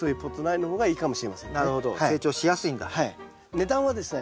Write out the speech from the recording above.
値段はですね